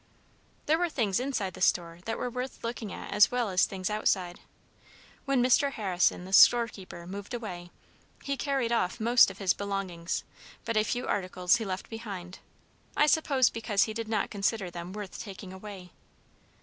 There were things inside the store that were worth looking at as well as things outside. When Mr. Harrison, the storekeeper, moved away, he carried off most of his belongings, but a few articles he left behind, I suppose because he did not consider them worth taking away.